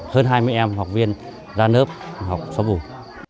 hơn hai mươi em học viên ra lớp học xóa mù